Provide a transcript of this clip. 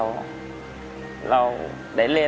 นอกจากนักเตะรุ่นใหม่จะเข้ามาเป็นตัวขับเคลื่อนทีมชาติไทยชุดนี้แล้ว